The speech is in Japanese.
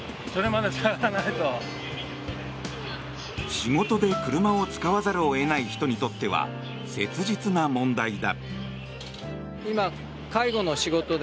仕事で車を使わざるを得ない人にとっては切実な問題だ。